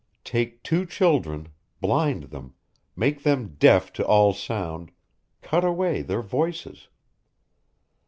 _ Take two children, blind them, make them deaf to all sound, cut away their voices.